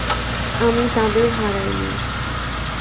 আমি তাদের হারাইনি।